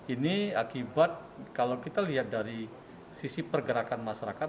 ini akibat kalau kita lihat dari sisi pergerakan masyarakat